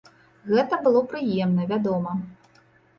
Гэта было прыемна, вядома!